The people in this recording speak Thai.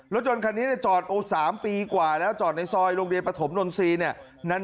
จนคันนี้จอดโอ้๓ปีกว่าแล้วจอดในซอยโรงเรียนปฐมนนทรีย์เนี่ย